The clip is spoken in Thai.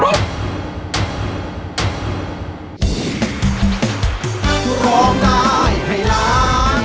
จับมือประคองขอร้องอย่าได้เปลี่ยนไป